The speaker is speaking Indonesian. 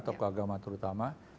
tokoh agama terutama